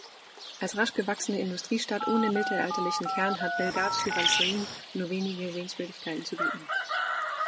Als rasch gewachsene Industriestadt ohne mittelalterlichen Kern hat Bellegarde-sur-Valserine nur wenige Sehenswürdigkeiten zu bieten.